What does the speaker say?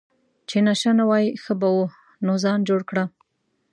چې نشه نه وای ښه به وو، نو ځان جوړ کړه.